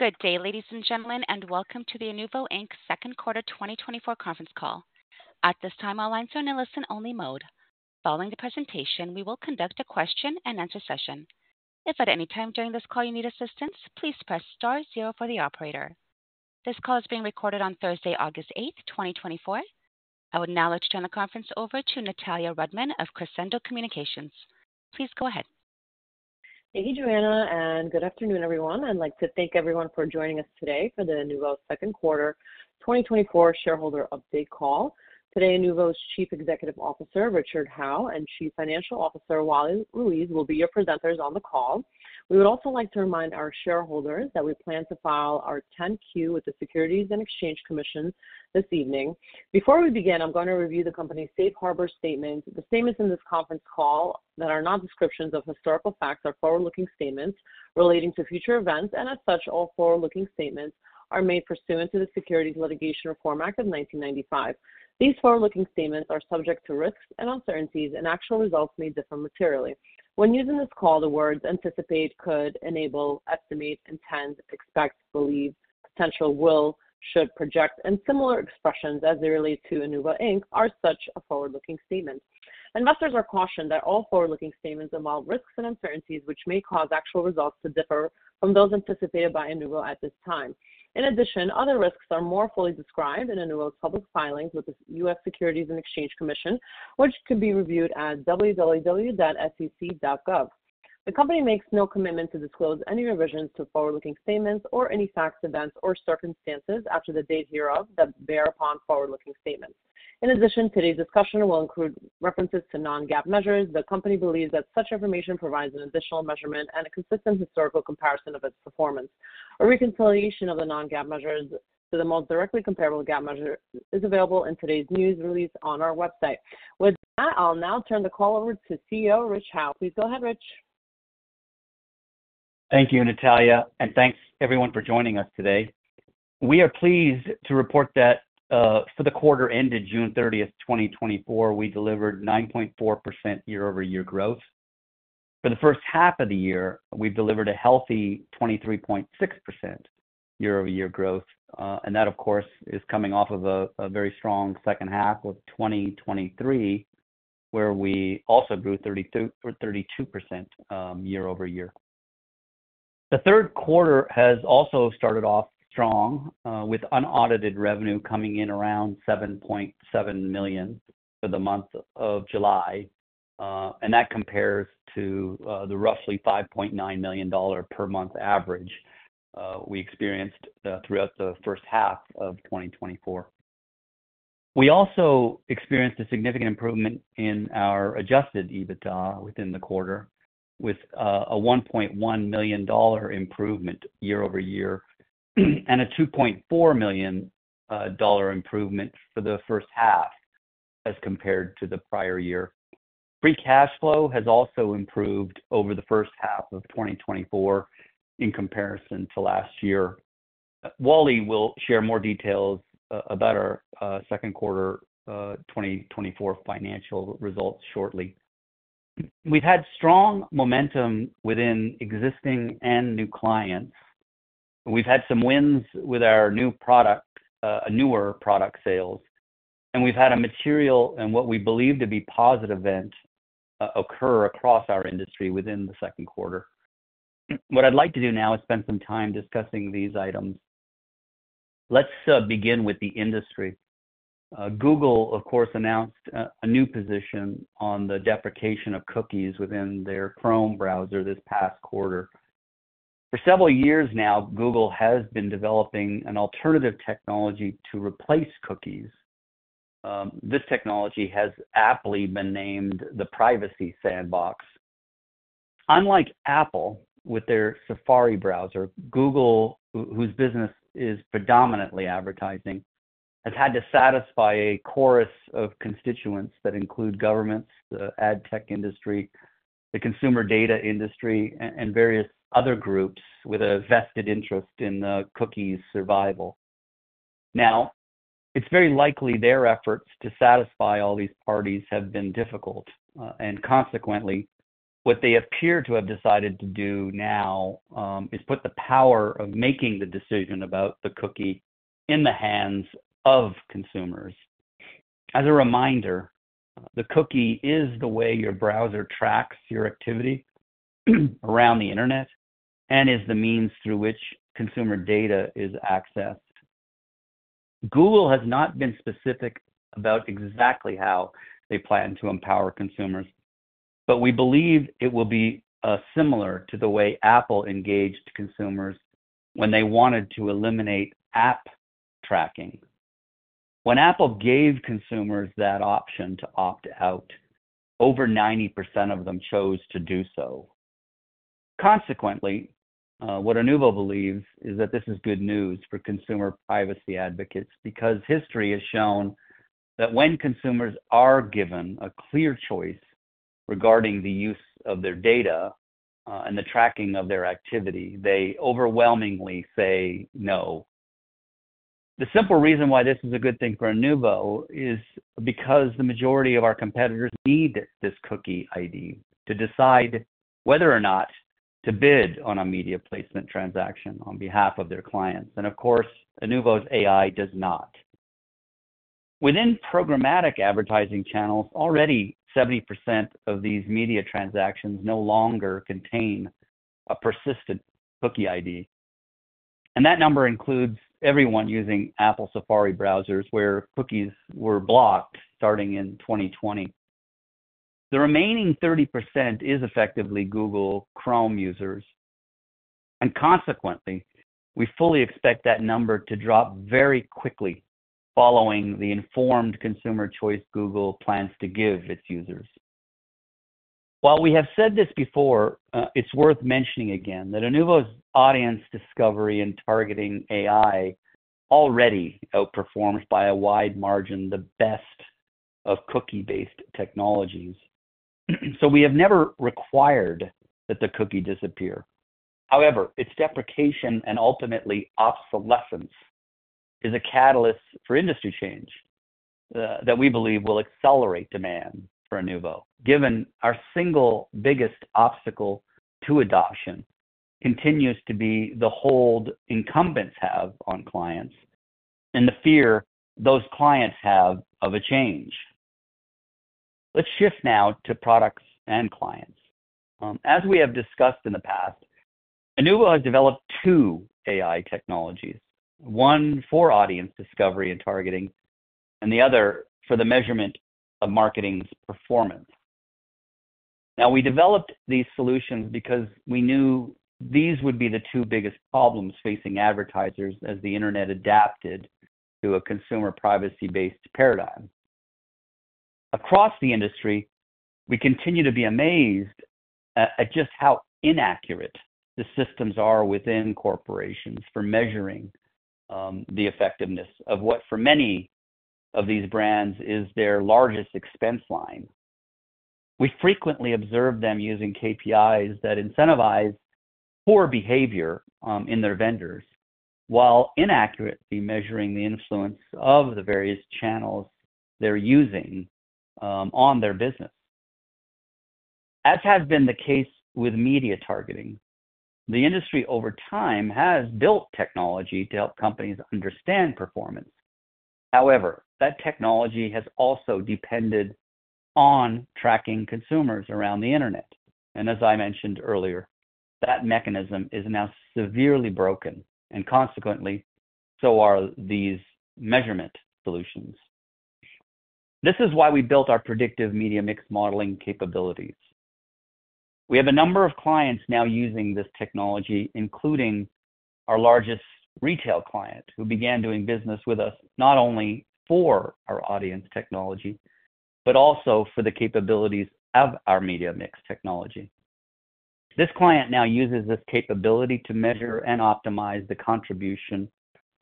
Good day, ladies and gentlemen, and welcome to the Inuvo, Inc's Second Quarter 2024 Conference Call. At this time, all lines are in a listen-only mode. Following the presentation, we will conduct a question-and-answer session. If at any time during this call you need assistance, please press star zero for the operator. This call is being recorded on Thursday, August 8, 2024. I would now like to turn the conference over to Natalya Rudman of Crescendo Communications. Please go ahead. Thank you, Joanna, and good afternoon, everyone. I'd like to thank everyone for joining us today for the Inuvo second quarter 2024 shareholder update call. Today, Inuvo's Chief Executive Officer, Richard Howe, and Chief Financial Officer, Wally Ruiz, will be your presenters on the call. We would also like to remind our shareholders that we plan to file our 10-Q with the Securities and Exchange Commission this evening. Before we begin, I'm going to review the company's safe harbor statement. The statements in this conference call that are not descriptions of historical facts are forward-looking statements relating to future events, and as such, all forward-looking statements are made pursuant to the Securities Litigation Reform Act of 1995. These forward-looking statements are subject to risks and uncertainties, and actual results may differ materially. When using this call, the words anticipate, could, enable, estimate, intend, expect, believe, potential, will, should, project, and similar expressions as they relate to Inuvo, Inc., are such a forward-looking statement. Investors are cautioned that all forward-looking statements involve risks and uncertainties, which may cause actual results to differ from those anticipated by Inuvo at this time. In addition, other risks are more fully described in Inuvo's public filings with the U.S. Securities and Exchange Commission, which could be reviewed at www.sec.gov. The company makes no commitment to disclose any revisions to forward-looking statements or any facts, events, or circumstances after the date hereof that bear upon forward-looking statements. In addition, today's discussion will include references to non-GAAP measures. The company believes that such information provides an additional measurement and a consistent historical comparison of its performance. A reconciliation of the non-GAAP measures to the most directly comparable GAAP measure is available in today's news release on our website. With that, I'll now turn the call over to CEO, Rich Howe. Please go ahead, Rich. Thank you, Natalya, and thanks everyone for joining us today. We are pleased to report that for the quarter ended June thirtieth, 2024, we delivered 9.4% year-over-year growth. For the first half of the year, we've delivered a healthy 23.6% year-over-year growth. And that, of course, is coming off of a very strong second half of 2023, where we also grew 32%, 32% year-over-year. The third quarter has also started off strong with unaudited revenue coming in around $7.7 million for the month of July. And that compares to the roughly $5.9 million per month average we experienced throughout the first half of 2024. We also experienced a significant improvement in our Adjusted EBITDA within the quarter, with a $1.1 million improvement year over year, and a $2.4 million improvement for the first half as compared to the prior year. Free cash flow has also improved over the first half of 2024 in comparison to last year. Wally will share more details about our second quarter 2024 financial results shortly. We've had strong momentum within existing and new clients. We've had some wins with our new product, newer product sales, and we've had a material and what we believe to be positive event occur across our industry within the second quarter. What I'd like to do now is spend some time discussing these items. Let's begin with the industry. Google, of course, announced a new position on the deprecation of cookies within their Chrome browser this past quarter. For several years now, Google has been developing an alternative technology to replace cookies. This technology has aptly been named the Privacy Sandbox. Unlike Apple, with their Safari browser, Google, whose business is predominantly advertising, has had to satisfy a chorus of constituents that include governments, the ad tech industry, the consumer data industry, and various other groups with a vested interest in the cookie's survival. Now, it's very likely their efforts to satisfy all these parties have been difficult, and consequently, what they appear to have decided to do now, is put the power of making the decision about the cookie in the hands of consumers. As a reminder, the cookie is the way your browser tracks your activity around the Internet and is the means through which consumer data is accessed. Google has not been specific about exactly how they plan to empower consumers, but we believe it will be similar to the way Apple engaged consumers when they wanted to eliminate app tracking. When Apple gave consumers that option to opt out, over 90% of them chose to do so. Consequently, what Inuvo believes is that this is good news for consumer privacy advocates because history has shown that when consumers are given a clear choice regarding the use of their data and the tracking of their activity, they overwhelmingly say no. The simple reason why this is a good thing for Inuvo is because the majority of our competitors need this cookie ID to decide whether or not to bid on a media placement transaction on behalf of their clients. And of course, Inuvo's AI does not. Within programmatic advertising channels, already 70% of these media transactions no longer contain a persistent cookie ID, and that number includes everyone using Apple Safari browsers, where cookies were blocked starting in 2020. The remaining 30% is effectively Google Chrome users, and consequently, we fully expect that number to drop very quickly following the informed consumer choice Google plans to give its users. While we have said this before, it's worth mentioning again that Inuvo's audience discovery and targeting AI already outperforms, by a wide margin, the best of cookie-based technologies. So we have never required that the cookie disappear. However, its deprecation and ultimately obsolescence is a catalyst for industry change that we believe will accelerate demand for Inuvo, given our single biggest obstacle to adoption continues to be the hold incumbents have on clients and the fear those clients have of a change. Let's shift now to products and clients. As we have discussed in the past, Inuvo has developed two AI technologies, one for audience discovery and targeting, and the other for the measurement of marketing's performance. Now, we developed these solutions because we knew these would be the two biggest problems facing advertisers as the internet adapted to a consumer privacy-based paradigm. Across the industry, we continue to be amazed at just how inaccurate the systems are within corporations for measuring the effectiveness of what, for many of these brands, is their largest expense line. We frequently observe them using KPIs that incentivize poor behavior in their vendors, while inaccurately measuring the influence of the various channels they're using on their business. As has been the case with media targeting, the industry over time has built technology to help companies understand performance. However, that technology has also depended on tracking consumers around the internet. As I mentioned earlier, that mechanism is now severely broken, and consequently, so are these measurement solutions. This is why we built our predictive media mix modeling capabilities. We have a number of clients now using this technology, including our largest retail client, who began doing business with us, not only for our audience technology, but also for the capabilities of our media mix technology. This client now uses this capability to measure and optimize the contribution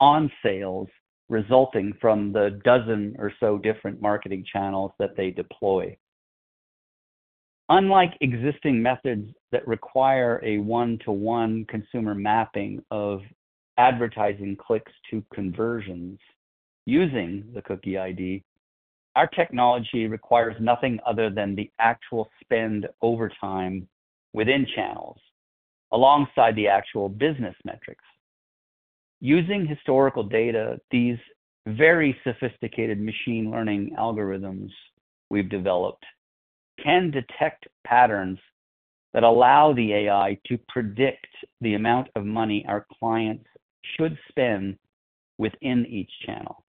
on sales resulting from the dozen or so different marketing channels that they deploy. Unlike existing methods that require a one-to-one consumer mapping of advertising clicks to conversions using the cookie ID, our technology requires nothing other than the actual spend over time within channels, alongside the actual business metrics. Using historical data, these very sophisticated machine learning algorithms we've developed can detect patterns that allow the AI to predict the amount of money our clients should spend within each channel.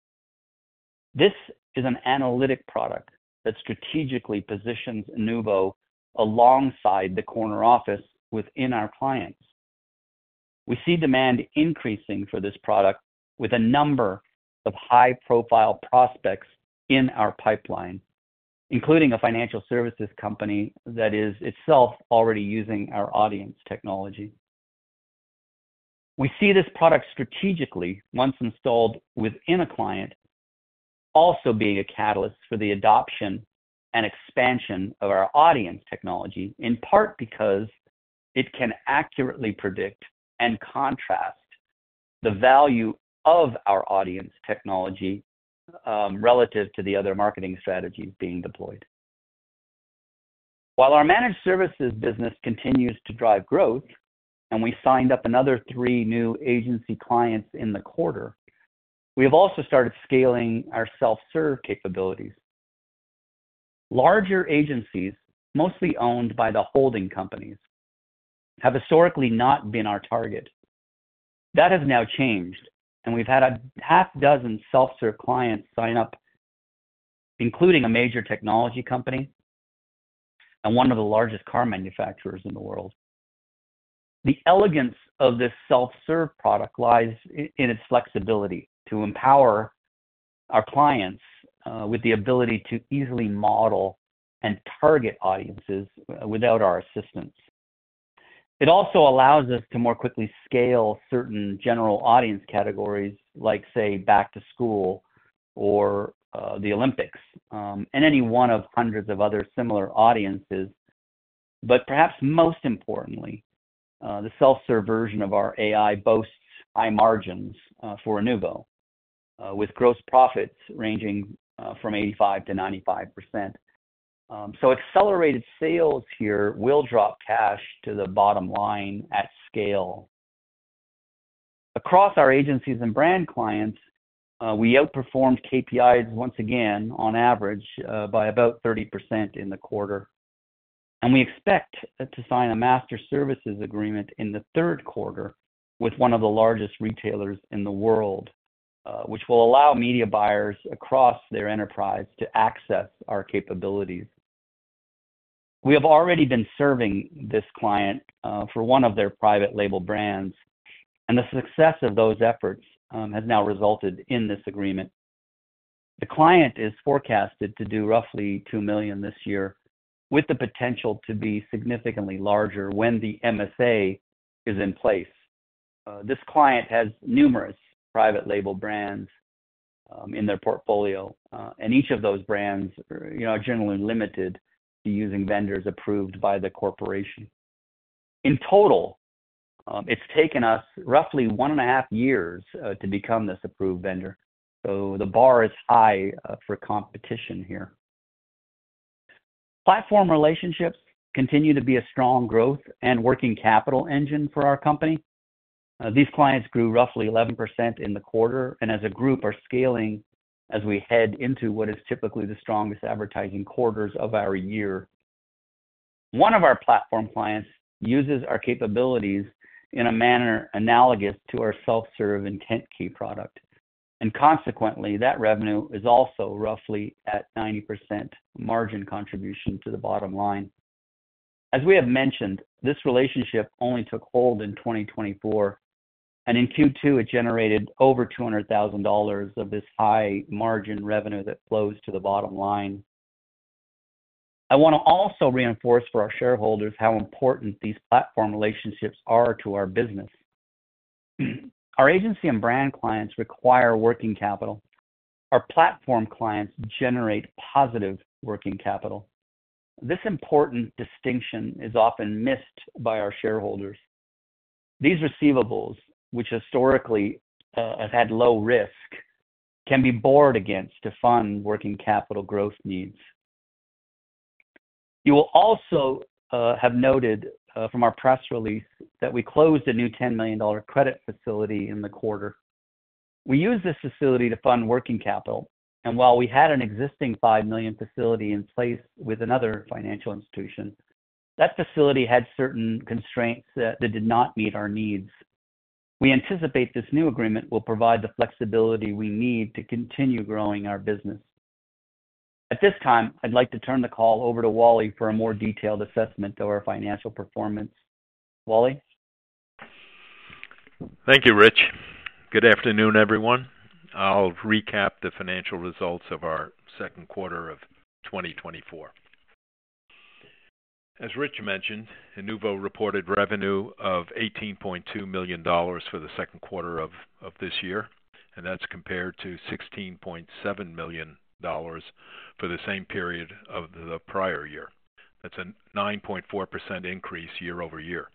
This is an analytic product that strategically positions Inuvo alongside the corner office within our clients. We see demand increasing for this product with a number of high-profile prospects in our pipeline, including a financial services company that is itself already using our audience technology. We see this product strategically, once installed within a client, also being a catalyst for the adoption and expansion of our audience technology, in part because it can accurately predict and contrast the value of our audience technology, relative to the other marketing strategies being deployed. While our managed services business continues to drive growth, and we signed up another three new agency clients in the quarter, we have also started scaling our self-serve capabilities. Larger agencies, mostly owned by the holding companies, have historically not been our target. That has now changed, and we've had a half dozen self-serve clients sign up, including a major technology company and one of the largest car manufacturers in the world. The elegance of this self-serve product lies in its flexibility to empower our clients, with the ability to easily model and target audiences without our assistance. It also allows us to more quickly scale certain general audience categories, like, say, back to school or the Olympics, and any one of hundreds of other similar audiences. But perhaps most importantly, the self-serve version of our AI boasts high margins for Inuvo, with gross profits ranging from 85%-95%. So accelerated sales here will drop cash to the bottom line at scale. Across our agencies and brand clients, we outperformed KPIs once again on average by about 30% in the quarter. And we expect to sign a master services agreement in the third quarter with one of the largest retailers in the world, which will allow media buyers across their enterprise to access our capabilities. We have already been serving this client for one of their private label brands, and the success of those efforts has now resulted in this agreement. The client is forecasted to do roughly $2 million this year, with the potential to be significantly larger when the MSA is in place. This client has numerous private label brands in their portfolio. And each of those brands are, you know, generally limited to using vendors approved by the corporation. In total, it's taken us roughly 1.5 years to become this approved vendor, so the bar is high for competition here. Platform relationships continue to be a strong growth and working capital engine for our company. These clients grew roughly 11% in the quarter, and as a group, are scaling as we head into what is typically the strongest advertising quarters of our year. One of our platform clients uses our capabilities in a manner analogous to our self-serve IntentKey product, and consequently, that revenue is also roughly at 90% margin contribution to the bottom line. As we have mentioned, this relationship only took hold in 2024, and in Q2, it generated over $200,000 of this high margin revenue that flows to the bottom line. I want to also reinforce for our shareholders how important these platform relationships are to our business. Our agency and brand clients require working capital. Our platform clients generate positive working capital. This important distinction is often missed by our shareholders. These receivables, which historically have had low risk, can be borrowed against to fund working capital growth needs. You will also have noted from our press release that we closed a new $10 million credit facility in the quarter. We use this facility to fund working capital, and while we had an existing $5 million facility in place with another financial institution, that facility had certain constraints that did not meet our needs. We anticipate this new agreement will provide the flexibility we need to continue growing our business. At this time, I'd like to turn the call over to Wally for a more detailed assessment of our financial performance. Wally? Thank you, Rich. Good afternoon, everyone. I'll recap the financial results of our second quarter of 2024. As Rich mentioned, Inuvo reported revenue of $18.2 million for the second quarter of this year, and that's compared to $16.7 million for the same period of the prior year. That's a 9.4% increase year-over-year.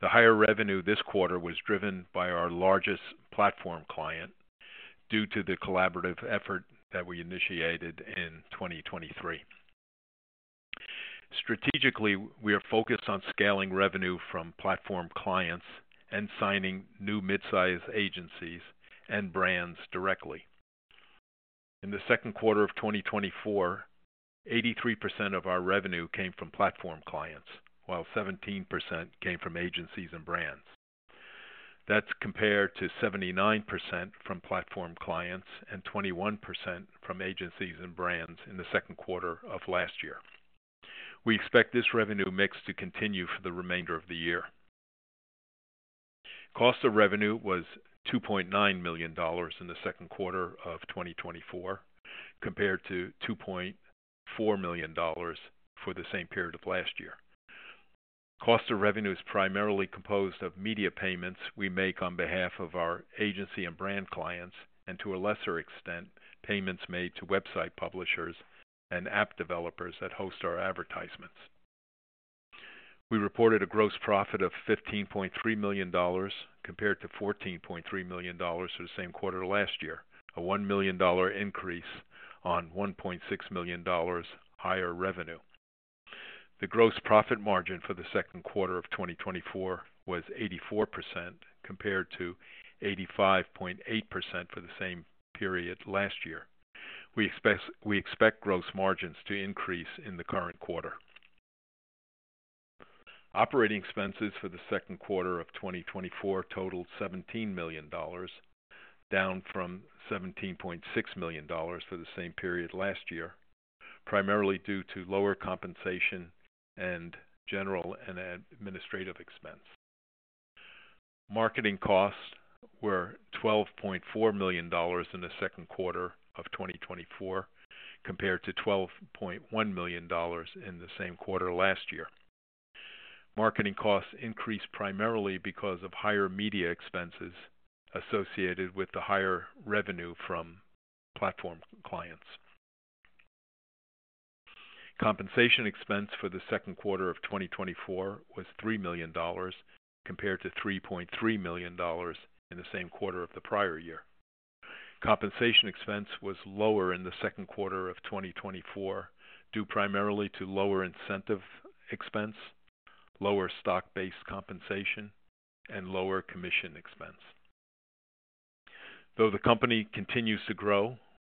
The higher revenue this quarter was driven by our largest platform client due to the collaborative effort that we initiated in 2023. Strategically, we are focused on scaling revenue from platform clients and signing new mid-size agencies and brands directly. In the second quarter of 2024, 83% of our revenue came from platform clients, while 17% came from agencies and brands. That's compared to 79% from platform clients and 21% from agencies and brands in the second quarter of last year. We expect this revenue mix to continue for the remainder of the year. Cost of revenue was $2.9 million in the second quarter of 2024, compared to $2.4 million for the same period of last year. Cost of revenue is primarily composed of media payments we make on behalf of our agency and brand clients, and to a lesser extent, payments made to website publishers and app developers that host our advertisements. We reported a gross profit of $15.3 million, compared to $14.3 million for the same quarter last year, a $1 million increase on $1.6 million higher revenue. The gross profit margin for the second quarter of 2024 was 84%, compared to 85.8% for the same period last year. We expect gross margins to increase in the current quarter. Operating expenses for the second quarter of 2024 totaled $17 million, down from $17.6 million for the same period last year, primarily due to lower compensation and general and administrative expense. Marketing costs were $12.4 million in the second quarter of 2024, compared to $12.1 million in the same quarter last year. Marketing costs increased primarily because of higher media expenses associated with the higher revenue from platform clients. Compensation expense for the second quarter of 2024 was $3 million, compared to $3.3 million in the same quarter of the prior year. Compensation expense was lower in the second quarter of 2024, due primarily to lower incentive expense, lower stock-based compensation, and lower commission expense. Though the company continues to grow,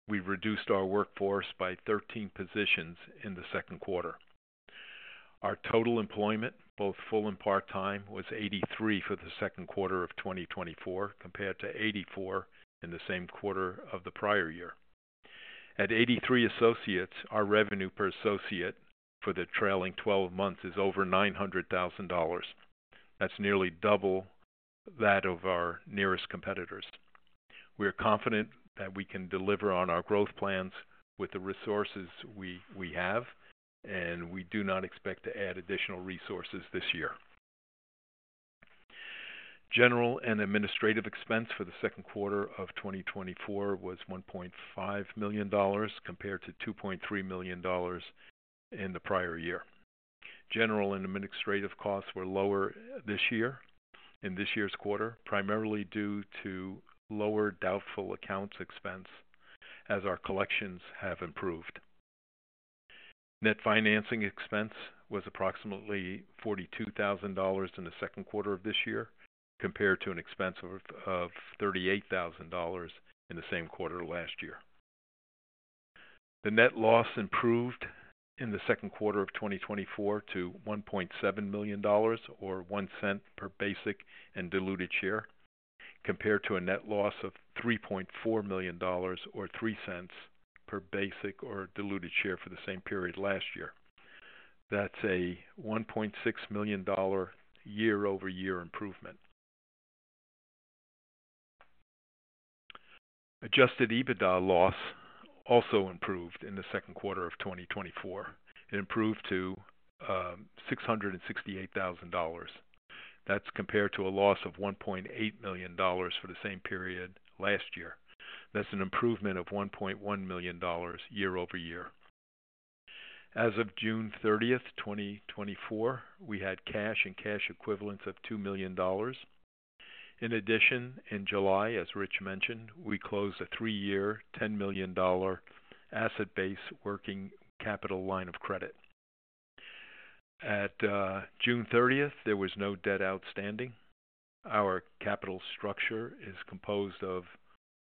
we've reduced our workforce by 13 positions in the second quarter. Our total employment, both full and part-time, was 83 for the second quarter of 2024, compared to 84 in the same quarter of the prior year. At 83 associates, our revenue per associate for the trailing twelve months is over $900,000. That's nearly double that of our nearest competitors. We are confident that we can deliver on our growth plans with the resources we have, and we do not expect to add additional resources this year. General and administrative expense for the second quarter of 2024 was $1.5 million, compared to $2.3 million in the prior year. General and administrative costs were lower this year, in this year's quarter, primarily due to lower doubtful accounts expense as our collections have improved. Net financing expense was approximately $42,000 in the second quarter of this year, compared to an expense of $38,000 in the same quarter last year. The net loss improved in the second quarter of 2024 to $1.7 million, or $0.01 per basic and diluted share, compared to a net loss of $3.4 million, or $0.03 per basic or diluted share for the same period last year. That's a $1.6 million year-over-year improvement. Adjusted EBITDA loss also improved in the second quarter of 2024. It improved to $668,000. That's compared to a loss of $1.8 million for the same period last year. That's an improvement of $1.1 million year-over-year. As of June 30, 2024, we had cash and cash equivalents of $2 million. In addition, in July, as Rich mentioned, we closed a 3-year, $10 million asset-based working capital line of credit. At June 30, there was no debt outstanding. Our capital structure is composed of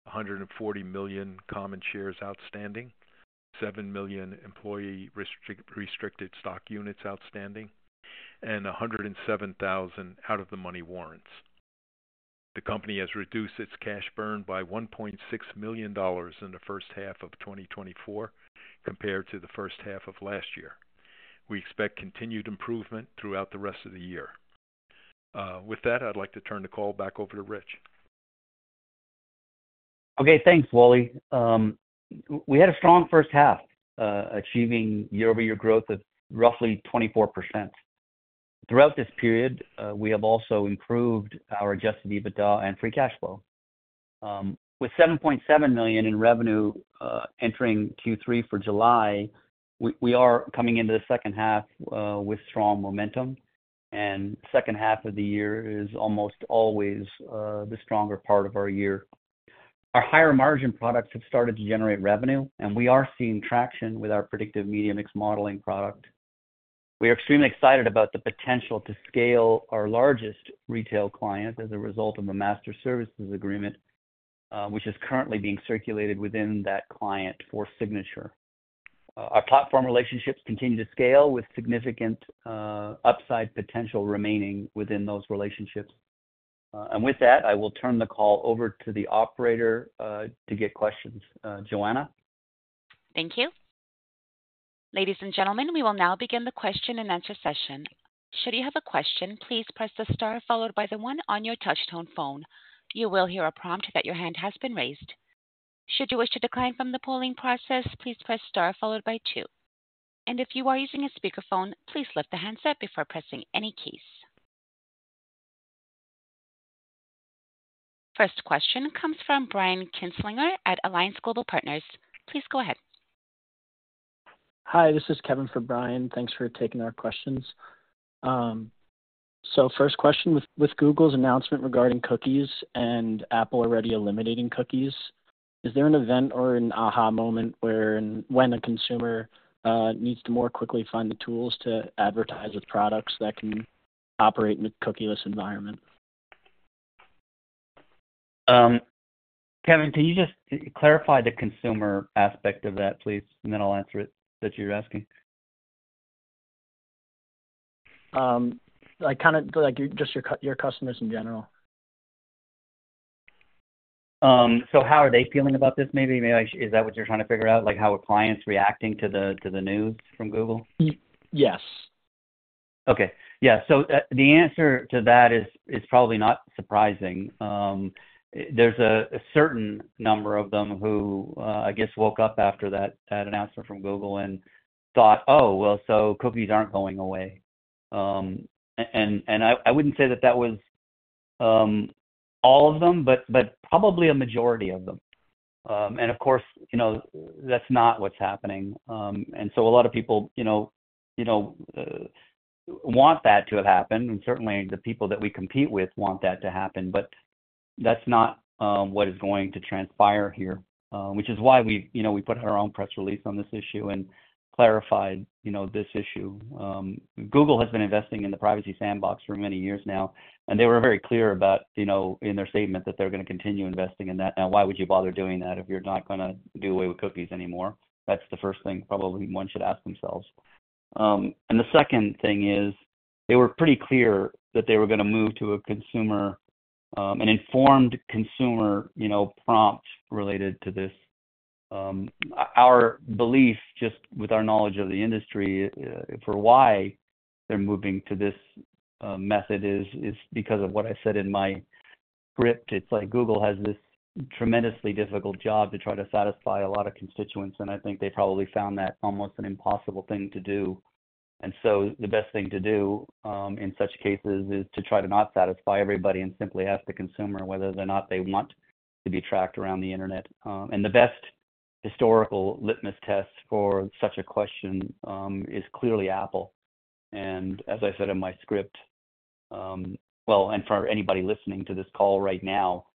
140 million common shares outstanding, 7 million employee restricted stock units outstanding, and 107,000 out-of-the-money warrants. The company has reduced its cash burn by $1.6 million in the first half of 2024, compared to the first half of last year. We expect continued improvement throughout the rest of the year. With that, I'd like to turn the call back over to Rich. Okay, thanks, Wally. We had a strong first half, achieving year-over-year growth of roughly 24%. Throughout this period, we have also improved our Adjusted EBITDA and free cash flow. With $7.7 million in revenue, entering Q3 for July, we are coming into the second half with strong momentum, and second half of the year is almost always the stronger part of our year. Our higher margin products have started to generate revenue, and we are seeing traction with our predictive media mix modeling product. We are extremely excited about the potential to scale our largest retail client as a result of a Master Services Agreement, which is currently being circulated within that client for signature. Our platform relationships continue to scale with significant upside potential remaining within those relationships. With that, I will turn the call over to the operator, to get questions. Joanna? Thank you. Ladies and gentlemen, we will now begin the question-and-answer session. Should you have a question, please press the star followed by the one on your touchtone phone. You will hear a prompt that your hand has been raised. Should you wish to decline from the polling process, please press star followed by two. And if you are using a speakerphone, please lift the handset before pressing any keys. First question comes from Brian Kinstlinger at Alliance Global Partners. Please go ahead. Hi, this is Kevin for Brian. Thanks for taking our questions. So first question, with Google's announcement regarding cookies and Apple already eliminating cookies, is there an event or an aha moment where and when a consumer needs to more quickly find the tools to advertise with products that can operate in a cookieless environment? Kevin, can you just clarify the consumer aspect of that, please? And then I'll answer it, that you're asking. Like, kind of, like, just your customers in general. So, how are they feeling about this, maybe? Maybe, is that what you're trying to figure out, like, how are clients reacting to the, to the news from Google? Y- Yes. Okay. Yeah. So, the answer to that is probably not surprising. There's a certain number of them who, I guess, woke up after that announcement from Google and thought, "Oh, well, so cookies aren't going away." And I wouldn't say that that was all of them, but probably a majority of them. And of course, you know, that's not what's happening. And so a lot of people, you know, you know, want that to have happened, and certainly, the people that we compete with want that to happen. But that's not what is going to transpire here, which is why we, you know, we put our own press release on this issue and clarified, you know, this issue. Google has been investing in the Privacy Sandbox for many years now, and they were very clear about, you know, in their statement, that they're gonna continue investing in that. Now, why would you bother doing that if you're not gonna do away with cookies anymore? That's the first thing probably one should ask themselves. And the second thing is, they were pretty clear that they were gonna move to a consumer, an informed consumer, you know, prompt, related to this. Our belief, just with our knowledge of the industry, for why they're moving to this method is, is because of what I said in my script. It's like Google has this tremendously difficult job to try to satisfy a lot of constituents, and I think they probably found that almost an impossible thing to do. So the best thing to do, in such cases, is to try to not satisfy everybody and simply ask the consumer whether or not they want to be tracked around the internet. The best historical litmus test for such a question is clearly Apple. As I said in my script, well, and for anybody listening to this call right now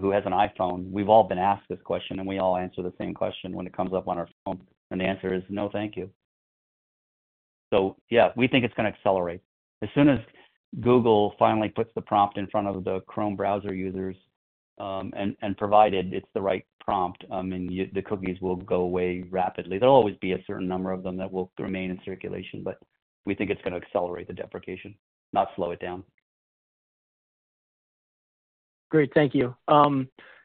who has an iPhone, we've all been asked this question, and we all answer the same question when it comes up on our phone, and the answer is: "No, thank you." So yeah, we think it's gonna accelerate. As soon as Google finally puts the prompt in front of the Chrome browser users, and provided it's the right prompt, the cookies will go away rapidly. There'll always be a certain number of them that will remain in circulation, but we think it's gonna accelerate the deprecation, not slow it down. Great, thank you.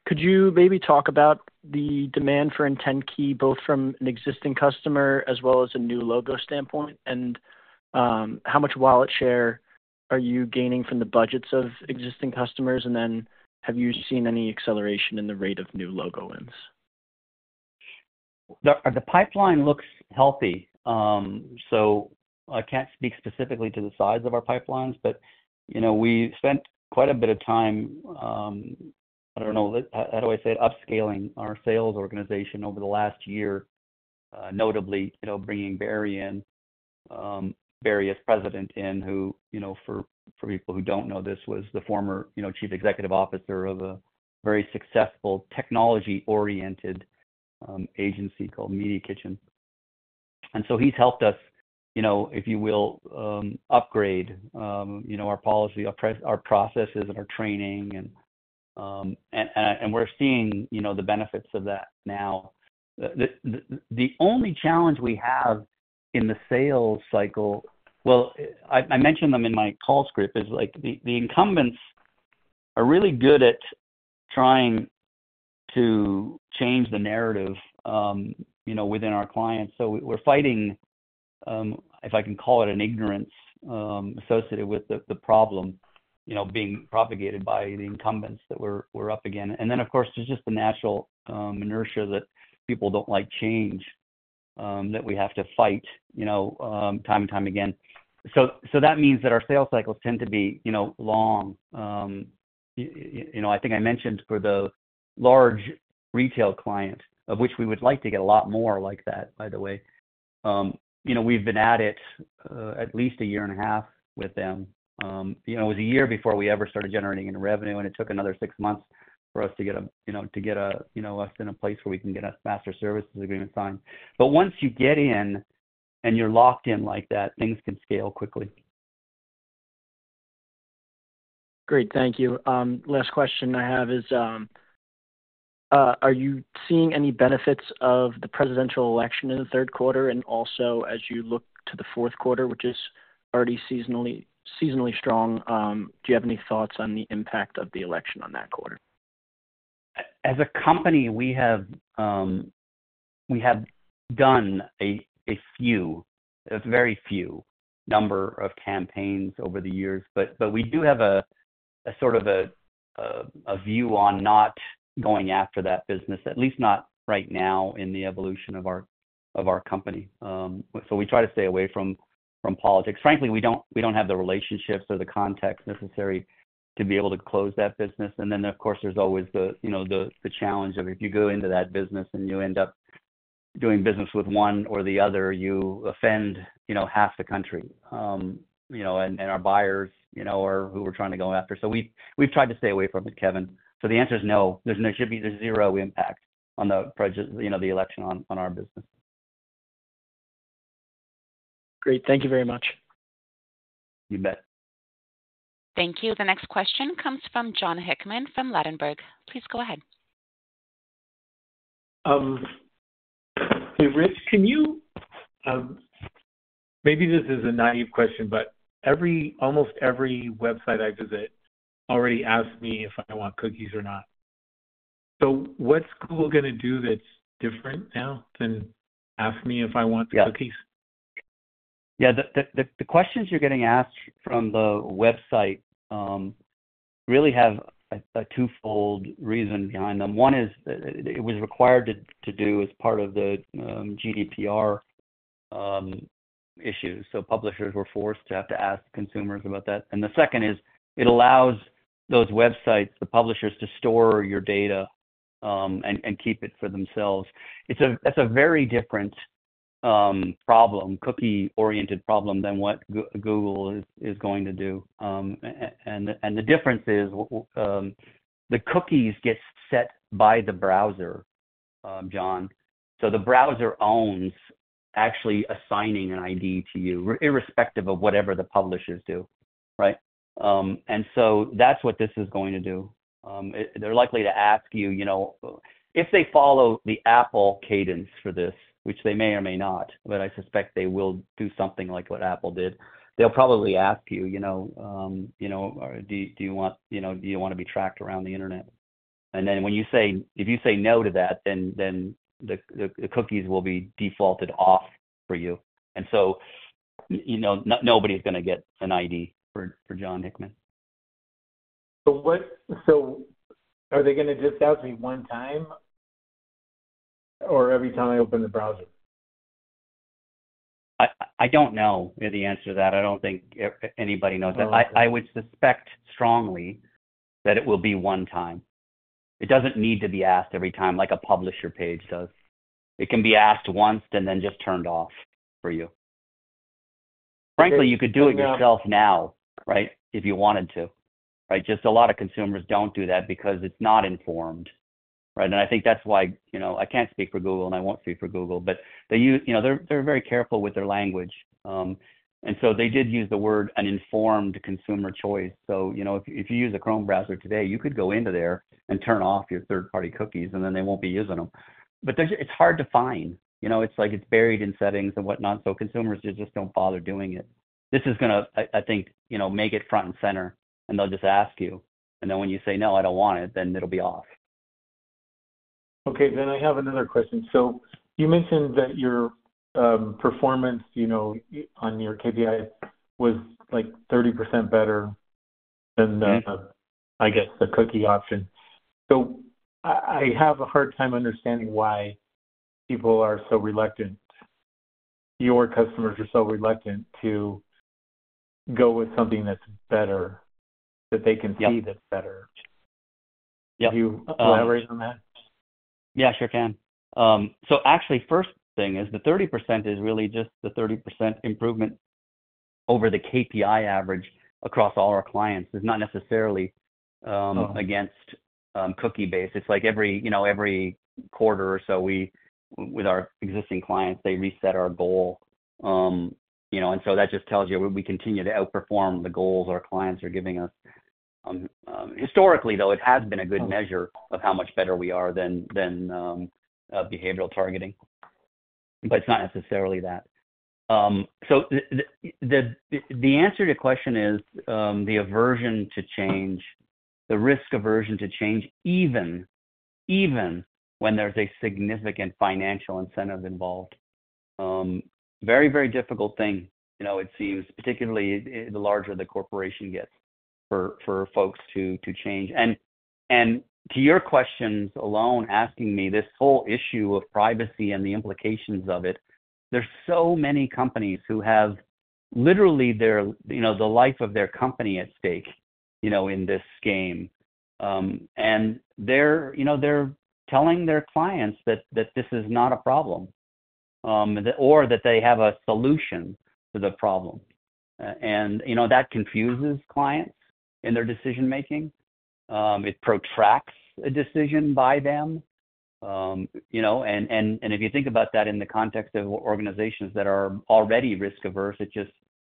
Could you maybe talk about the demand for IntentKey, both from an existing customer as well as a new logo standpoint? And, how much wallet share are you gaining from the budgets of existing customers? And then, have you seen any acceleration in the rate of new logo wins? The pipeline looks healthy. So I can't speak specifically to the size of our pipelines, but, you know, we spent quite a bit of time, I don't know, how do I say it? Upscaling our sales organization over the last year, notably, you know, bringing Barry in, Barry as President, who, you know, for people who don't know, this was the former, you know, Chief Executive Officer of a very successful technology-oriented agency called Media Kitchen. And so he's helped us, you know, if you will, upgrade, you know, our policy, our pre- our processes and our training, and we're seeing, you know, the benefits of that now. The only challenge we have in the sales cycle—well, I mentioned them in my call script, is like the incumbents are really good at trying to change the narrative, you know, within our clients. So we're fighting, if I can call it an ignorance, associated with the problem, you know, being propagated by the incumbents that we're up against. And then, of course, there's just the natural inertia that people don't like change, that we have to fight, you know, time and time again. So that means that our sales cycles tend to be, you know, long. You know, I think I mentioned for the large retail client, of which we would like to get a lot more like that, by the way, you know, we've been at it at least a year and a half with them. You know, it was a year before we ever started generating any revenue, and it took another six months for us to get, you know, us in a place where we can get a Master Services Agreement signed. But once you get in and you're locked in like that, things can scale quickly. Great, thank you. Last question I have is, are you seeing any benefits of the presidential election in the third quarter? And also, as you look to the fourth quarter, which is already seasonally strong, do you have any thoughts on the impact of the election on that quarter? As a company, we have done a very few number of campaigns over the years, but we do have a sort of a view on not going after that business, at least not right now in the evolution of our company. So we try to stay away from politics. Frankly, we don't have the relationships or the context necessary to be able to close that business. And then, of course, there's always you know the challenge of if you go into that business and you end up doing business with one or the other, you offend you know half the country. You know, and our buyers you know are who we're trying to go after. So we've tried to stay away from it, Kevin. So the answer is no. There should be zero impact on the project, you know, the election on our business. Great, thank you very much. You bet. Thank you. The next question comes from Jon Hickman from Ladenburg. Please go ahead. Hey, Rich, can you... Maybe this is a naive question, but almost every website I visit already asks me if I want cookies or not. So what's Google gonna do that's different now than ask me if I want the cookies? Yeah. The questions you're getting asked from the website really have a twofold reason behind them. One is, it was required to do as part of the GDPR issues. So publishers were forced to have to ask consumers about that. And the second is, it allows those websites, the publishers, to store your data and keep it for themselves. It's a-- That's a very different problem, cookie-oriented problem than what Google is going to do. And the difference is, the cookies get set by the browser, John. So the browser owns actually assigning an ID to you, irrespective of whatever the publishers do, right? And so that's what this is going to do. They're likely to ask you, you know, if they follow the Apple cadence for this, which they may or may not, but I suspect they will do something like what Apple did. They'll probably ask you, you know, do you want, you know, do you wanna be tracked around the internet? And then when you say, if you say no to that, then the cookies will be defaulted off for you. And so, you know, nobody's gonna get an ID for Jon Hickman. So are they gonna just ask me one time, or every time I open the browser? I don't know the answer to that. I don't think anybody knows that. Okay. I, I would suspect strongly that it will be one time. It doesn't need to be asked every time, like a publisher page does. It can be asked once and then just turned off for you. Okay. Frankly, you could do it yourself now, right? If you wanted to, right? Just a lot of consumers don't do that because it's not informed, right? And I think that's why, you know, I can't speak for Google, and I won't speak for Google, but they, you know, they're very careful with their language. And so they did use the word, "an informed consumer choice." So, you know, if you use a Chrome browser today, you could go into there and turn off your third-party cookies, and then they won't be using them. But it's hard to find, you know, it's like it's buried in settings and whatnot, so consumers just don't bother doing it. This is gonna, I think, you know, make it front and center, and they'll just ask you. And then when you say, "No, I don't want it," then it'll be off. Okay, then I have another question. So you mentioned that your performance, you know, on your KPI was, like, 30% better than the- Mm-hmm I guess the cookie option. So I, I have a hard time understanding why people are so reluctant, your customers are so reluctant to go with something that's better, that they can. Yeah See that's better. Yeah. Can you elaborate on that? Yeah, sure can. So actually, first thing is, the 30% is really just the 30% improvement over the KPI average across all our clients. It's not necessarily, Mm-hmm Against cookie base. It's like every, you know, every quarter or so, we, with our existing clients, they reset our goal. You know, and so that just tells you, we continue to outperform the goals our clients are giving us. Historically, though, it has been a good measure of how much better we are than behavioral targeting, but it's not necessarily that. So the answer to your question is the aversion to change, the risk aversion to change, even when there's a significant financial incentive involved. Very difficult thing, you know, it seems, particularly the larger the corporation gets, for folks to change. To your questions alone, asking me this whole issue of privacy and the implications of it, there's so many companies who have literally their, you know, the life of their company at stake, you know, in this game. And they're, you know, they're telling their clients that this is not a problem or that they have a solution to the problem. And, you know, that confuses clients in their decision-making. It protracts a decision by them. You know, and if you think about that in the context of organizations that are already risk-averse, it's just,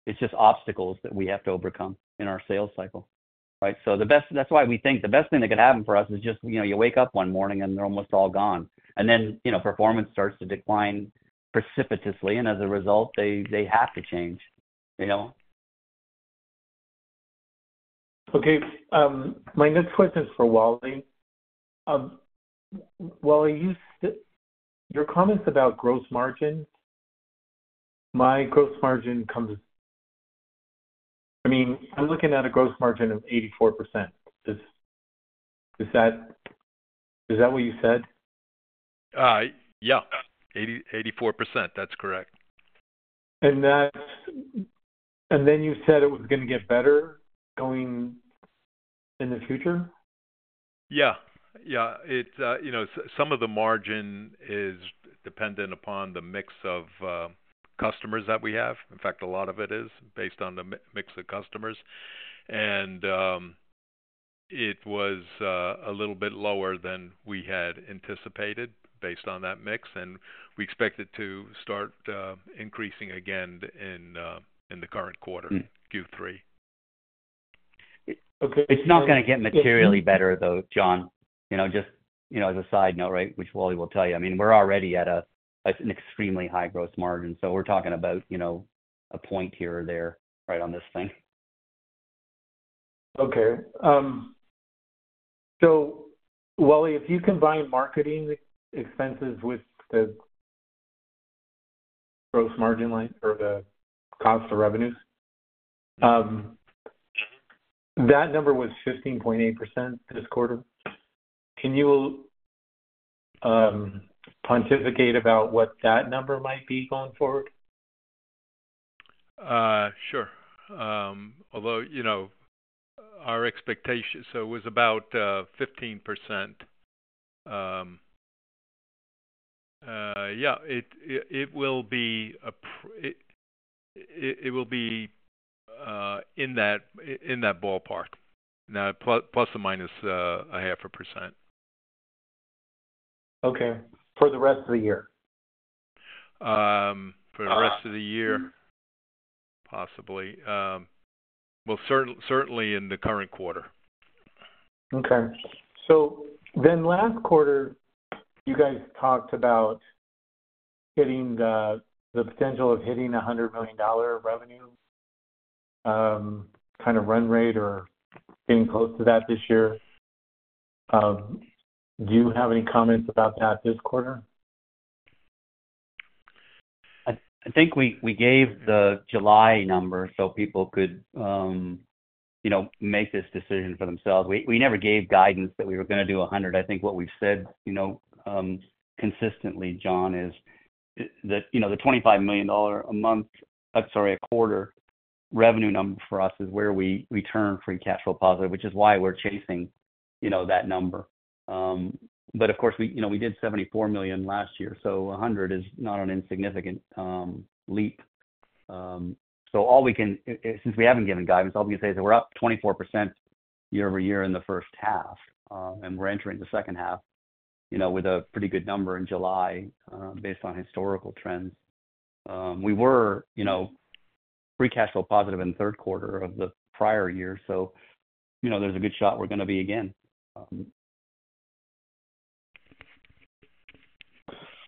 it's just obstacles that we have to overcome in our sales cycle, right? So that's why we think the best thing that could happen for us is just, you know, you wake up one morning, and they're almost all gone. And then, you know, performance starts to decline precipitously, and as a result, they have to change, you know. Okay, my next question is for Wally. Wally, your comments about gross margin, my gross margin comes—I mean, I'm looking at a gross margin of 84%. Is, is that, is that what you said? Yeah, 84%. That's correct. And then you said it was gonna get better going in the future? Yeah. Yeah, it's, you know, some of the margin is dependent upon the mix of customers that we have. In fact, a lot of it is based on the mix of customers, and it was a little bit lower than we had anticipated based on that mix, and we expect it to start increasing again in the current quarter. Mm Q3. Okay, uh. It's not gonna get materially better, though, John. You know, just, you know, as a side note, right, which Wally will tell you. I mean, we're already at an extremely high gross margin, so we're talking about, you know, a point here or there, right on this thing. Okay, so Wally, if you combine marketing expenses with the gross margin line or the cost of revenues, that number was 15.8% this quarter. Can you pontificate about what that number might be going forward? Sure. Although, you know, our expectations, so it was about 15%. Yeah, it will be in that ballpark. Now, ±0.5%. Okay. For the rest of the year? For the rest of the year, possibly. Well, certainly in the current quarter. Okay. So then last quarter, you guys talked about hitting the potential of hitting $100 million revenue, kind of run rate or being close to that this year. Do you have any comments about that this quarter? I think we gave the July number so people could, you know, make this decision for themselves. We never gave guidance that we were gonna do $100 million. I think what we've said, you know, consistently, John, is that, you know, the $25 million a month, I'm sorry, a quarter, revenue number for us is where we return free cash flow positive, which is why we're chasing, you know, that number. But of course, you know, we did $74 million last year, so $100 million is not an insignificant leap. So all we can... Since we haven't given guidance, all we can say is that we're up 24% year-over-year in the first half. And we're entering the second half, you know, with a pretty good number in July, based on historical trends. We were, you know, free cash flow positive in the third quarter of the prior year, so, you know, there's a good shot we're gonna be again.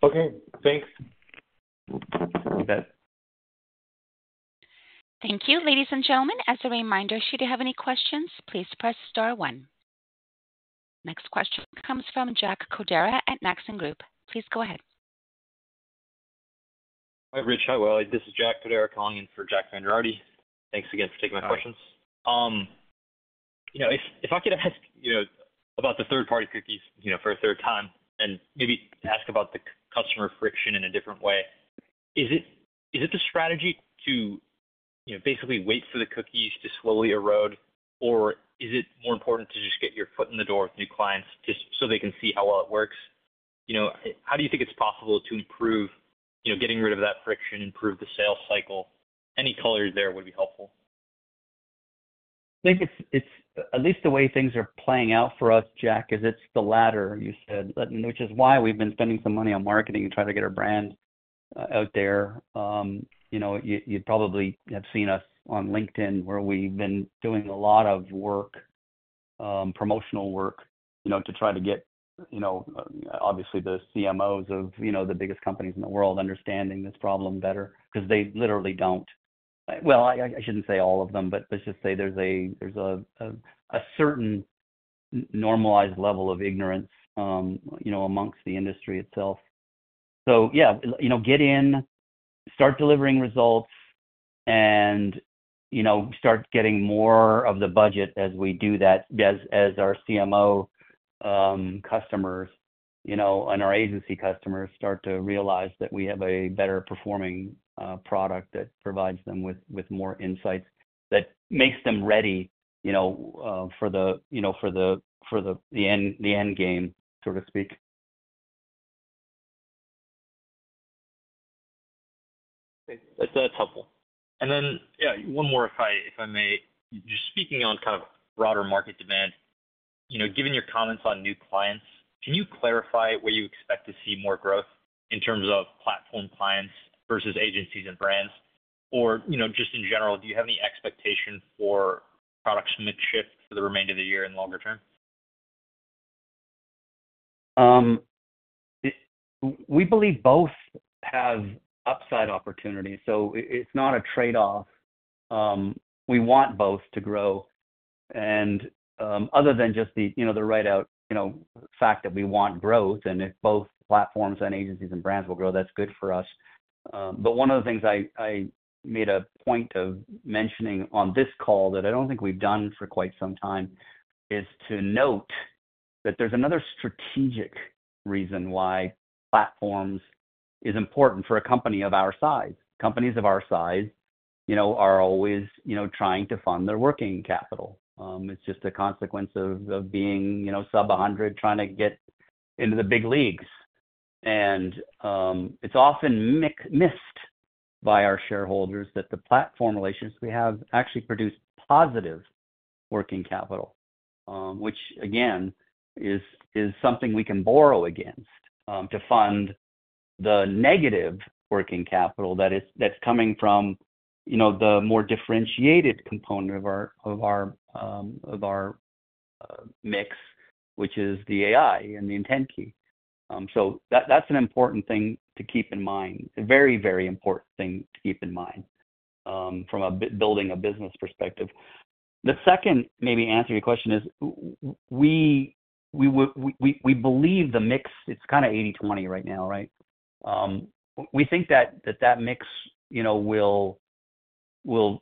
Okay, thanks. You bet. Thank you. Ladies and gentlemen, as a reminder, should you have any questions, please press star one. Next question comes from Jack Codera at Maxim Group. Please go ahead. Hi, Rich. Hi, Wally. This is Jack Kodera, calling in for Jack Vander Aarde. Thanks again for taking my questions. Hi. You know, if I could ask, you know, about the third-party cookies, you know, for a third time, and maybe ask about the customer friction in a different way. Is it, is it the strategy to, you know, basically wait for the cookies to slowly erode? Or is it more important to just get your foot in the door with new clients just so they can see how well it works? You know, how do you think it's possible to improve, you know, getting rid of that friction, improve the sales cycle? Any color there would be helpful. I think it's at least the way things are playing out for us, Jack, is it's the latter you said, which is why we've been spending some money on marketing and trying to get our brand out there. You know, you probably have seen us on LinkedIn, where we've been doing a lot of work, promotional work, you know, to try to get, you know, obviously, the CMOs of, you know, the biggest companies in the world understanding this problem better because they literally don't. Well, I shouldn't say all of them, but let's just say there's a certain normalized level of ignorance, you know, amongst the industry itself. So, yeah, you know, get in, start delivering results and, you know, start getting more of the budget as we do that, as our CMO customers, you know, and our agency customers start to realize that we have a better performing product that provides them with more insights, that makes them ready, you know, for the end game, so to speak. That's helpful. And then, yeah, one more if I, if I may. Just speaking on kind of broader market demand, you know, given your comments on new clients, can you clarify where you expect to see more growth in terms of platform clients versus agencies and brands? Or, you know, just in general, do you have any expectation for product mix shift for the remainder of the year and longer term? We believe both have upside opportunities, so it's not a trade-off. We want both to grow. And other than just the, you know, the right out, you know, fact that we want growth, and if both platforms and agencies and brands will grow, that's good for us. But one of the things I made a point of mentioning on this call, that I don't think we've done for quite some time, is to note that there's another strategic reason why platforms is important for a company of our size. Companies of our size, you know, are always, you know, trying to fund their working capital. It's just a consequence of being, you know, sub a hundred, trying to get into the big leagues. It's often missed by our shareholders that the platform relationships we have actually produced positive working capital. Which again, is something we can borrow against to fund the negative working capital that's coming from, you know, the more differentiated component of our mix, which is the AI and the IntentKey. So that's an important thing to keep in mind. A very, very important thing to keep in mind from a building a business perspective. The second, maybe answering your question is, we believe the mix, it's kind of 80, 20 right now, right? We think that mix, you know, will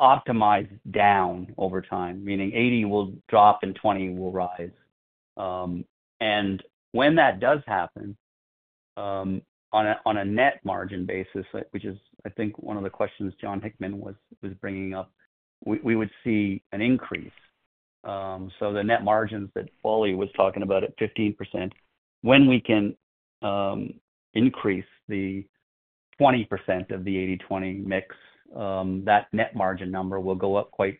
optimize down over time, meaning 80 will drop, and 20 will rise. And when that does happen, on a net margin basis, which is I think one of the questions Jon Hickman was bringing up, we would see an increase. So the net margins that Wally was talking about at 15%, when we can increase the 20% of the 80/20 mix, that net margin number will go up quite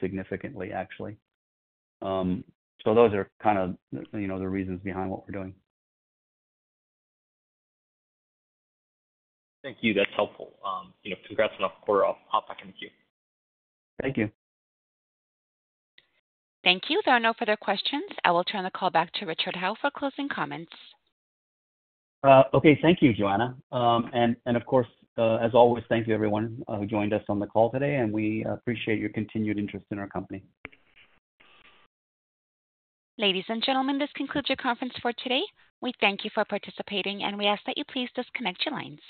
significantly, actually. So those are kind of, you know, the reasons behind what we're doing. Thank you. That's helpful. You know, congrats on the quarter. I'll hop back in the queue. Thank you. Thank you. There are no further questions. I will turn the call back to Richard Howe for closing comments. Okay. Thank you, Joanna. And of course, as always, thank you everyone who joined us on the call today, and we appreciate your continued interest in our company. Ladies and gentlemen, this concludes your conference for today. We thank you for participating, and we ask that you please disconnect your lines.